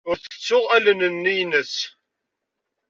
Ur tettuɣ allen-nni-ines.